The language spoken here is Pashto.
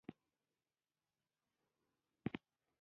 تاریخ د نظم د دوام لپاره لیکل کېږي.